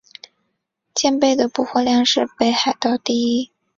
蚬贝的补获量是北海道第一。